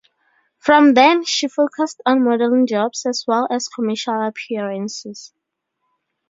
From then, she focused on modelling jobs, as well as commercial appearances.